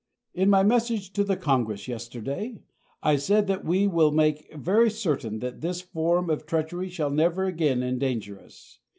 In my message to the Congress yesterday I said that we "will make very certain that this form of treachery shall never again endanger us."